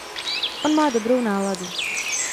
On má dobrou náladu.